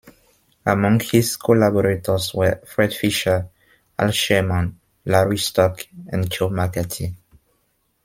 Among his collaborators were Fred Fischer, Al Sherman, Larry Stock and Joe McCarthy.